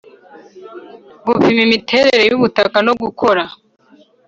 Gupima imiterere y ubutaka no gukora